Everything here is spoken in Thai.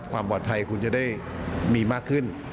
ความปลอดภัยคุณจะได้มีมากขึ้น